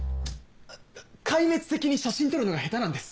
壊滅的に写真撮るのが下手なんです！